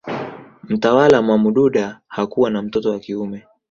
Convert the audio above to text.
Mtawala Mwamududa hakuwa na mtoto wa kiume